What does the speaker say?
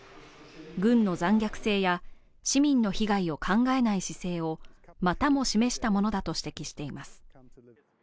軍の残虐性や市民の被害を考えない姿勢をまたも示したものだと指摘しています。